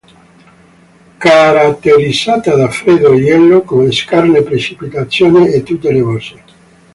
Caratterizzata da freddo e gelo con scarse precipitazioni e tutte nevose.